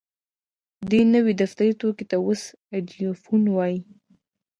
دې نوي دفتري توکي ته اوس ايډيفون وايي.